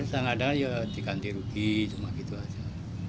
sedangkan ya dikanti rugi cuma gitu aja